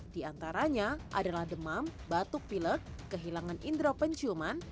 di antaranya adalah demam batuk pilek kehilangan indera penciuman